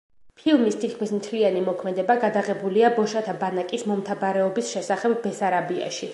ფილმის თითქმის მთლიანი მოქმედება გადაღებულია ბოშათა ბანაკის მომთაბარეობის შესახებ ბესარაბიაში.